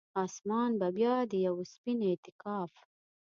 اسمان به بیا د یوه سپین اعتکاف،